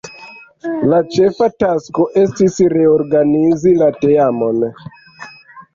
La ĉefa tasko estis reorganizi la teamon.